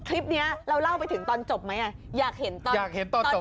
คลิปเนี้ยเราเล่าไปถึงตอนจบไหมอ่ะอยากเห็นตอนอยากเห็นตอนจบ